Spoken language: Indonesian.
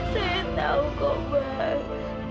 saya tau kok bang